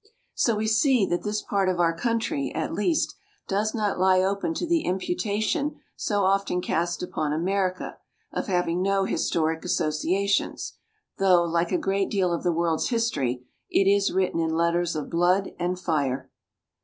So we see that this part of our country, at least, does not lie open to the imputation so often cast upon America, of having no historic associations; though, like a great deal of the world's history, it is written in letters of blood and fire.